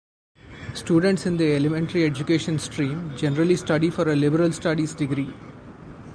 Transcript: Students in the elementary education stream generally study for a Liberal Studies degree.